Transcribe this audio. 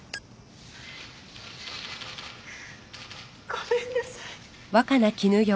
ごめんなさい。